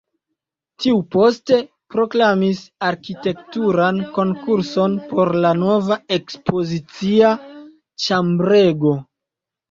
Tiu poste proklamis arkitekturan konkurson por la nova ekspozicia ĉambrego.